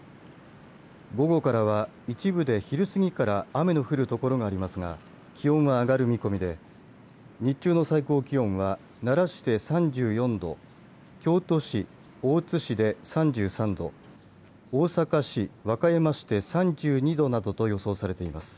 午後からは一部で昼すぎから雨の降る所がありますが気温は上がる見込みで日中の最高気温は奈良市で３４度京都市、大津市で３３度大阪市、和歌山市で３２度などと予想されています。